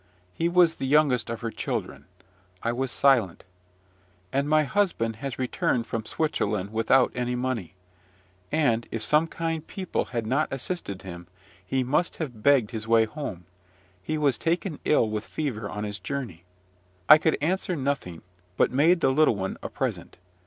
He was the youngest of her children. I was silent. "And my husband has returned from Switzerland without any money; and, if some kind people had not assisted him, he must have begged his way home. He was taken ill with fever on his journey." I could answer nothing, but made the little one a present.